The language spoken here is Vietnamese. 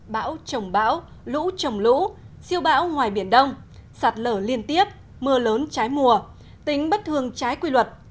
bão trồng bão lũ trồng lũ siêu bão ngoài biển đông sạt lở liên tiếp mưa lớn trái mùa tính bất thường trái quy luật